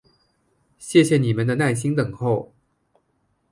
谢谢你们的耐心等候！